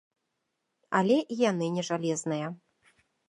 Але і яны не жалезныя.